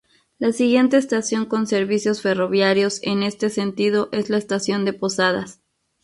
La siguiente estación con servicios ferroviarios en este sentido es la Estación de Posadas.